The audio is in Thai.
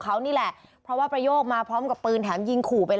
ถ้าหนูทำแบบนั้นพ่อจะไม่มีรับบายเจ้าให้หนูได้เอง